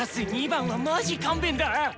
２番は魔ジ勘弁だ！